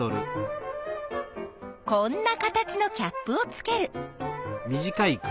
こんな形のキャップをつける。